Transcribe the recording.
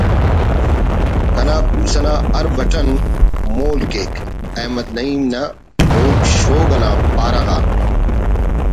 کنا کوس انا ہر بٹن مول/ کیک احمد نعیم نا بوگ شوگ نا پارہ غا